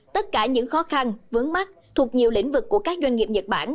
tất cả những khó khăn vướng mắt thuộc nhiều lĩnh vực của các doanh nghiệp nhật bản